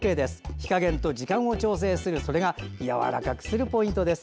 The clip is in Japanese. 火加減と時間を調整するそれがやわらかくするポイントです。